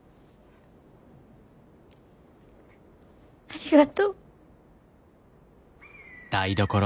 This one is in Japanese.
ありがとう。